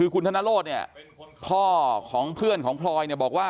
คุณธนโลศพอของเพื่อนพลอยบอกว่า